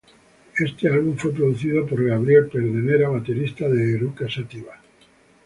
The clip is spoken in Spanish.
Este álbum, fue producido por Gabriel Pedernera, baterista de Eruca Sativa.